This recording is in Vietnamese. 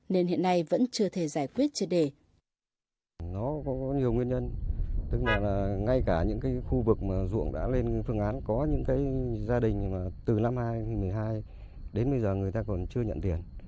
nó có nhiều nguyên nhân tức là ngay cả những khu vực mà ruộng đã lên phương án có những gia đình từ năm hai nghìn một mươi hai đến bây giờ người ta còn chưa nhận tiền